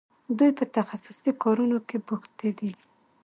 دوی په تخصصي کارونو کې بوختې دي.